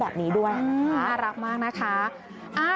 แบบนี้ด้วยน่ารักมากนะคะ